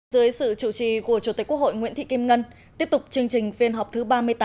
dưới sự chủ trì của chủ tịch quốc hội nguyễn thị kim ngân tiếp tục chương trình phiên họp thứ ba mươi tám